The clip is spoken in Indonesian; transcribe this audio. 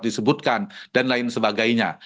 disebutkan dan lain sebagainya